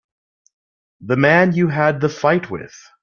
The man you had the fight with.